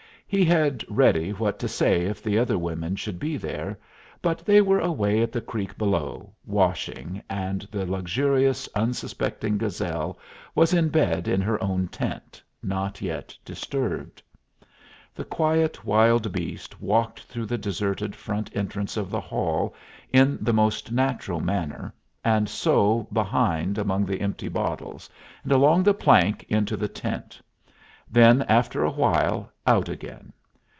He had ready what to say if the other women should be there; but they were away at the creek below, washing, and the luxurious, unsuspecting Gazelle was in bed in her own tent, not yet disturbed. The quiet wild beast walked through the deserted front entrance of the hall in the most natural manner, and so behind among the empty bottles, and along the plank into the tent; then, after a while, out again.